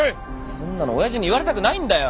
そんなの親父に言われたくないんだよ。